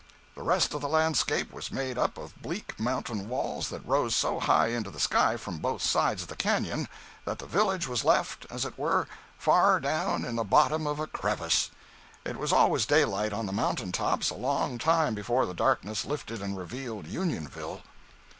The rest of the landscape was made up of bleak mountain walls that rose so high into the sky from both sides of the canyon that the village was left, as it were, far down in the bottom of a crevice. It was always daylight on the mountain tops a long time before the darkness lifted and revealed Unionville.